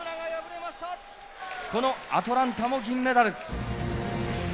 このアトランタも銀メダル。